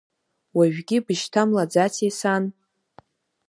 Уажәгьы бышьҭамлаӡаци, сан?